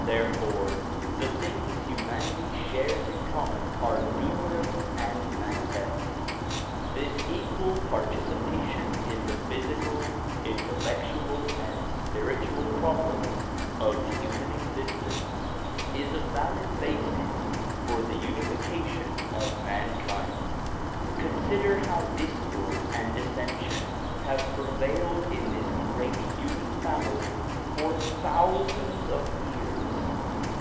Therefore the things humanity shares in common are numerous and manifest. This equal participation in the physical, intellectual and spiritual prob lems of human existence is a valid basis for the unification of mankind. Consider how discord and dissension have prevailed in this great human family for thousands of years.